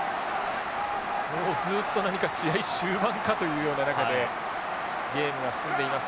もうずっと何か試合終盤かというような中でゲームが進んでいます。